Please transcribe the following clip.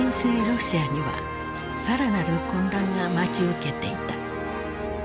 ロシアには更なる混乱が待ち受けていた。